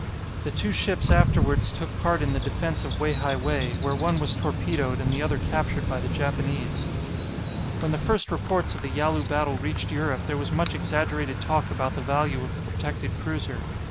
The two ships afterwards took part in the defence of Wei hai wei, where one was torpedoed and the other captured by the Japanese. When the first reports of the Yalu battle reached Europe there was much exaggerated talk about the value of the protected cruiser.